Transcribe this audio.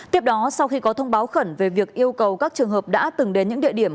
tiếp đó sau khi có thông báo khẩn về việc yêu cầu các trường hợp đã từng đến những địa điểm